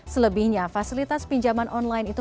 selebihnya fasilitas pinjaman online itu